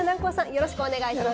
よろしくお願いします。